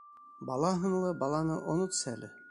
Бала һынлы баланы онотсәле.